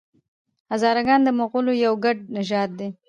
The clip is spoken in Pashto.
هزاره ګان د مغولانو یو ګډ نژاد دی.